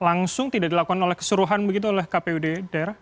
langsung tidak dilakukan oleh keseluruhan begitu oleh kpud daerah